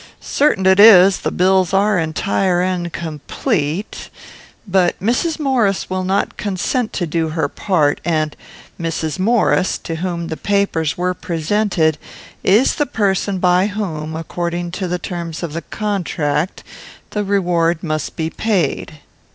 Certain it is, the bills are entire and complete, but Mrs. Maurice will not consent to do her part, and Mrs. Maurice, to whom the papers were presented, is the person by whom, according to the terms of the contract, the reward must be paid."